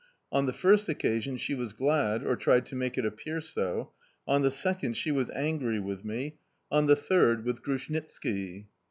On the first occasion, she was glad, or tried to make it appear so; on the second, she was angry with me; on the third with Grushnitski.